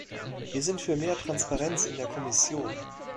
Wir sind für mehr Transparenz in der Kommission.